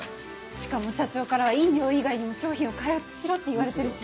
しかも社長からは飲料以外にも商品を開発しろって言われてるし。